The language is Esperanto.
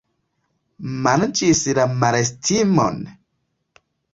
Manĝis la malestimon?